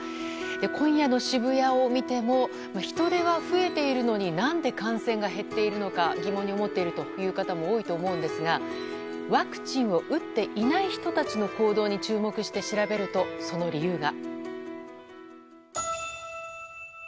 今夜の渋谷を見ても人出は増えているのに何で感染が減っているのか疑問に思っているという方も多いと思うんですがワクチンを打っていない人たちの行動に注目して調べるとその理由が。